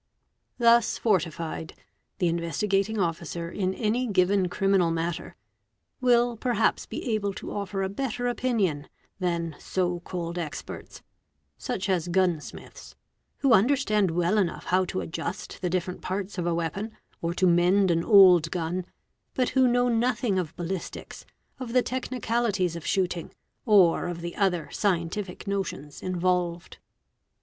Thus fortified, the Investigating Officer in any given criminal matter, will perhaps be able to offer a better opinion than so called experts, such as gunsmiths, who understand well enough how to adjus the different parts of a weapon, or to mend an old gun, but who knoy nothing of ballistics, of the technicalities of shooting, or of the ot ne scientific notions involved.